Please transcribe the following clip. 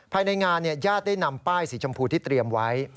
ภายในงานญาติได้นำป้ายสีชมพูที่เตรียมไว้